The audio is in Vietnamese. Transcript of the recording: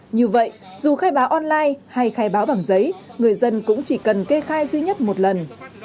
như vậy dù khai báo online hay khai báo bằng giấy người dân cũng chỉ cần kê khai duy nhất một lần